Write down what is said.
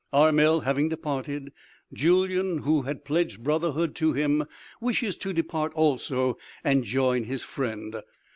Armel having departed, Julyan, who had pledged brotherhood to him, wishes to depart also and join his friend.